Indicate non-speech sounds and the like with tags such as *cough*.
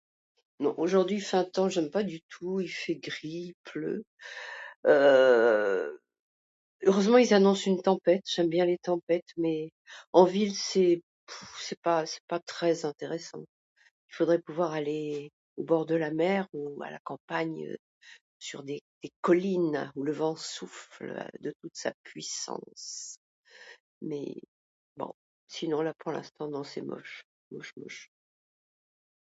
Non, aujourd'hui il fait un temps que je n'aime pas du tout, il fait gris, il pleut, *hesitation* heureusement, ils annoncent une tempête, j'aime bien les tempêtes, mais en ville c'est *hesitation* pas, c'est pas très intéressant, il faudrait pouvoir aller au bord de la mer ou à la campagne sur des collines où le vent souffle de toute sa puissance, mais bon, sinon là, pour l'instant non, c'est moche, moche, moche.